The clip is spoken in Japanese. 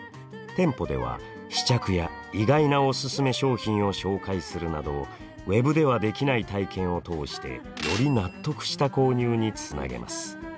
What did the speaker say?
店舗では試着や意外なおすすめ商品を紹介するなどＷＥＢではできない体験を通してより納得した購入につなげます。